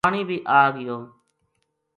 پانی بے آگیو